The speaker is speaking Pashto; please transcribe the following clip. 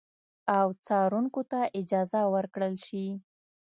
او څارونکو ته اجازه ورکړل شي